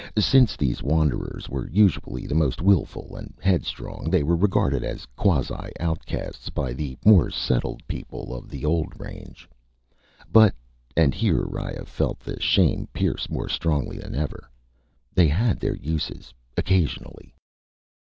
Since these wanderers were usually the most willful and headstrong, they were regarded as quasi outcasts by the more settled people of the old range. But and here Riya felt the shame pierce more strongly than ever they had their uses, occasionally.